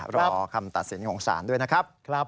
รอคำตัดสินของศาลด้วยนะครับ